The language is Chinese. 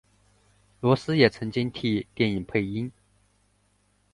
罗斯也曾经替电影配音。